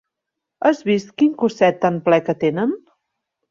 Has vist quin cosset tan ple que tenen?